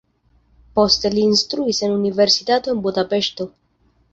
Poste li instruis en universitato en Budapeŝto.